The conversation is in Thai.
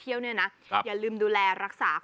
สุดยอดน้ำมันเครื่องจากญี่ปุ่น